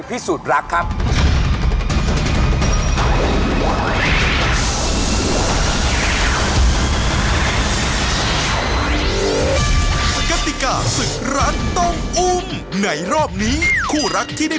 ผมอยากให้คุณเห็นอันนี้ครับ